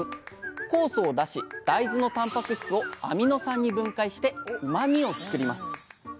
酵素を出し大豆のたんぱく質をアミノ酸に分解してうまみを作ります。